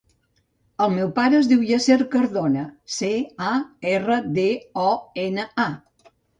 El meu pare es diu Yasser Cardona: ce, a, erra, de, o, ena, a.